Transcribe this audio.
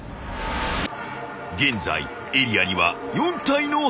［現在エリアには４体のハンター］